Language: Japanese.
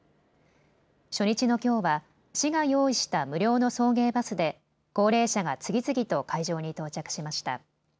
初日のきょうは市が用意した無料の送迎バスで高齢者が次々と会場に到着しました。